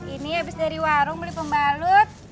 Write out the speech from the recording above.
ini habis dari warung beli pembalut